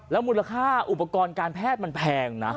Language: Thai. มูลค่าอุปกรณ์การแพทย์มันแพงนะ